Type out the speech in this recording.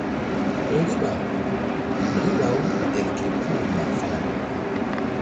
Riɓa riɓa-u el ke puh ma fal.